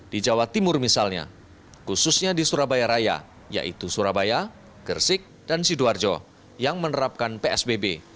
di jawa timur misalnya khususnya di surabaya raya yaitu surabaya gersik dan sidoarjo yang menerapkan psbb